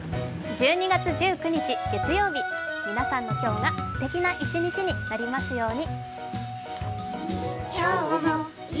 １２月１９日月曜日、皆さんの今日がすてきな一日になりますように。